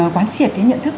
quán triệt cái nhận thức